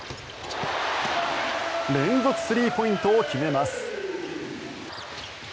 連続スリーポイントを決めます。